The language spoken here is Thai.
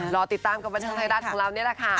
รอติดตามกับบันเทิงไทยรัฐของเรานี่แหละค่ะ